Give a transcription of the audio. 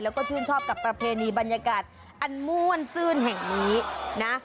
แล้วก็ชื่นชอบกับประเพณีบรรยากาศอันม่วนซื่นแห่งนี้นะ